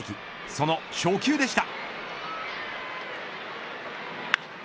その初球でした。